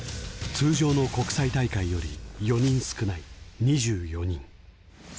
通常の国際大会より４人少ない２４人。